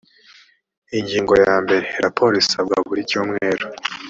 ingingo ya mbere raporo isabwa buri cyumweru